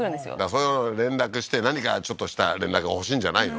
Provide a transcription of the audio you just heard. そういうのを連絡して何かちょっとした連絡がほしいんじゃないの？